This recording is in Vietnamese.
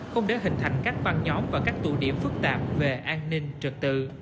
không để hình thành các băng nhóm và các tụ điểm phức tạp về an ninh trật tự